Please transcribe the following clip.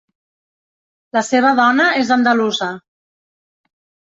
La seva dona és andalusa.